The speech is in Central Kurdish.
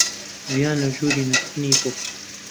ڤیان لە ژووری نووستنی بوو.